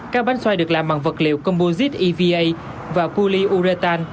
các bánh xoay được làm bằng vật liệu composite eva và cuoliuretan